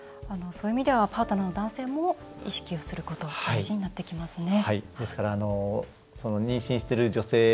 そういう意味ではパートナーの男性が意識することが大事になってきますね。